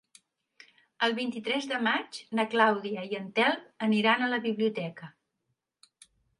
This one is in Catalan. El vint-i-tres de maig na Clàudia i en Telm aniran a la biblioteca.